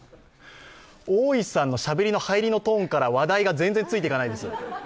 大石さんのしゃべりの入りのトーンから話題が全然ついていかないですよ。